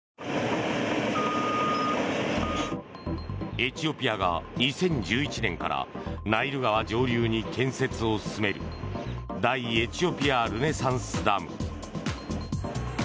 エチオピアが２０１１年からナイル川上流に建設を進める大エチオピア・ルネサンスダム。